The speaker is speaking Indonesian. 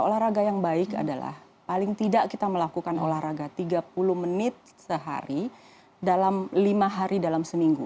olahraga yang baik adalah paling tidak kita melakukan olahraga tiga puluh menit sehari dalam lima hari dalam seminggu